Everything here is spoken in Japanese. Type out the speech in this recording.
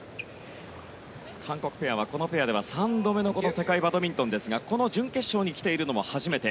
韓国ペアは、このペアでは３度目の世界バドミントンですがこの準決勝に来ているのは初めて。